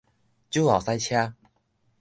酒後駛車